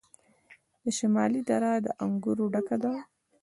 د شمالی دره د انګورو ډکه ده.